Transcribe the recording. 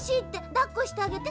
だっこしてあげて。